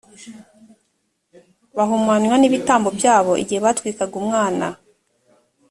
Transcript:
bahumanywa n ibitambo byabo igihe batwikaga umwana